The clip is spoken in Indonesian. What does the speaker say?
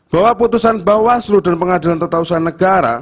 bahwa putusan bawaslu dan pengadilan tata usaha negara